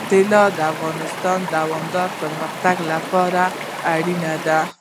طلا د افغانستان د دوامداره پرمختګ لپاره اړین دي.